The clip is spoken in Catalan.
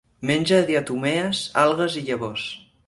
Menja diatomees, algues i llavors.